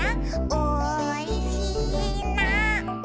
「おいしいな」